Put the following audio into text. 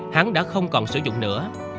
hắn đã không còn sử dụng nữa